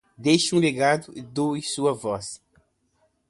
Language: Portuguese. Deixe um legado, doe sua voz